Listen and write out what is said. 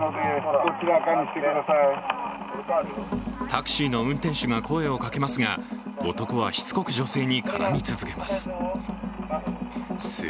タクシーの運転手が声をかけますが、男はしつこく女性に絡み続けます。